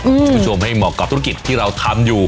คุณผู้ชมให้เหมาะกับธุรกิจที่เราทำอยู่